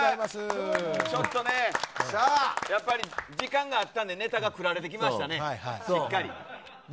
ちょっとね、やっぱり時間があったんでネタが繰られてきましたね。